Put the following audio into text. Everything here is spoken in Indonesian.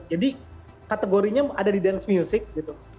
jadi kategorinya ada di dance music gitu